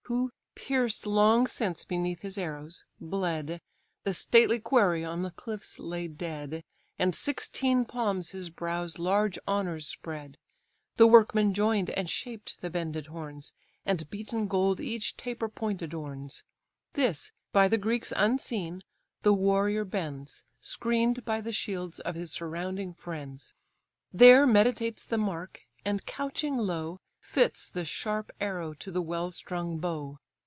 Who pierced long since beneath his arrows bled; The stately quarry on the cliffs lay dead, And sixteen palms his brow's large honours spread: The workmen join'd, and shaped the bended horns, And beaten gold each taper point adorns. This, by the Greeks unseen, the warrior bends, Screen'd by the shields of his surrounding friends: There meditates the mark; and couching low, Fits the sharp arrow to the well strung bow.